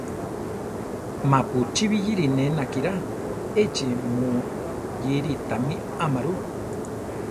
Mapu chibiyíri ne nakirá, echí mu yiri tamí ama ru.